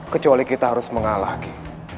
menyerahlah lindo aji